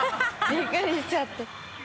びっくりしちゃって。